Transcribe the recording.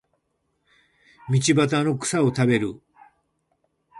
道端の草を食べる